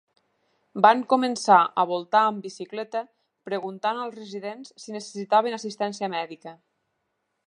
Van començar al voltar amb bicicleta preguntant als residents si necessitaven assistència mèdica.